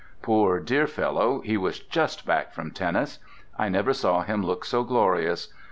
Poor, dear fellow, he was just back from tennis; I never saw him look so glorious.